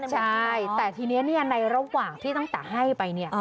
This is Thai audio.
ใช่แต่ทีนี้ในระหว่างที่ตั้งแต่ให้ไปเนี่ย